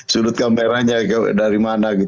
sudut kameranya dari mana